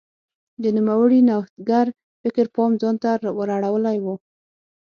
د نوموړي نوښتګر فکر پام ځان ته ور اړولی و.